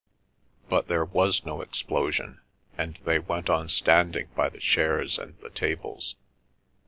But there was no explosion, and they went on standing by the chairs and the tables.